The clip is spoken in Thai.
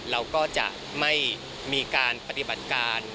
เราก็จะไม่มีการปฏิบัติการ